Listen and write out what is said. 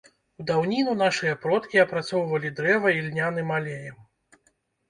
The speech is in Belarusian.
У даўніну нашыя продкі апрацоўвалі дрэва ільняным алеем.